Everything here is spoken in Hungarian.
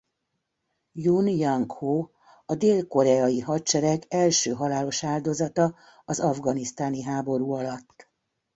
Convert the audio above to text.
Jun Jang-ho a dél-koreai hadsereg első halálos áldozata az afganisztáni háború alatt.